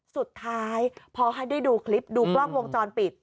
สุดท้ายพอให้ได้ดูคลิปดูกล้องวงจรปิด